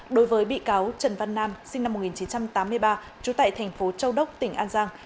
đối với bị cáo trần văn nam sinh năm một nghìn chín trăm tám mươi ba trú tại thành phố châu đốc tỉnh an giang